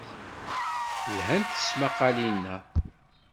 Lhant tesmaqqalin-a.